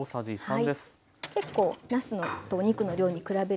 はい。